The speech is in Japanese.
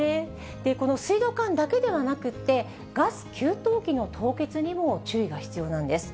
この水道管だけではなくって、ガス給湯器の凍結にも注意が必要なんです。